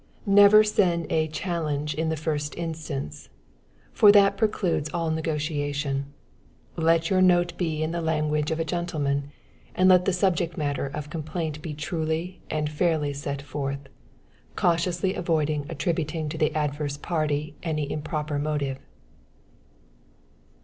Never send a challenge in the first instance, for that precludes all negotiation. Let your note be in the language of a gentleman, and let the subject matter of complaint be truly and fairly set forth, cautiously avoiding attributing to the adverse party any improper motive.